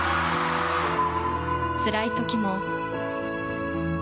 つらい時も。